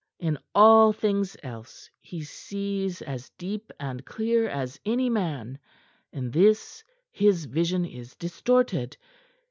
"In all things else he sees as deep and clear as any man; in this his vision is distorted.